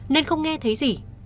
nên không nghe thấy gì